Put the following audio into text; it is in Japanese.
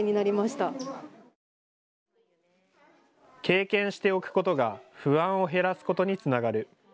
経験しておくことが不安を減らすことにつながる。